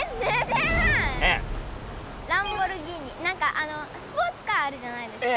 ランボルギーニなんかあのスポーツカーあるじゃないですか？